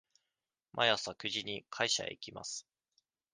毎朝九時に会社へ行きます。